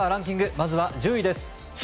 まずは１０位です。